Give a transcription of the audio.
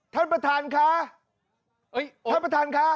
ท่านประธานค่ะท่านประธานค่ะ